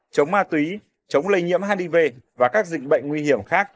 chống ma túy chống lây nhiễm hiv và các dịch bệnh nguy hiểm khác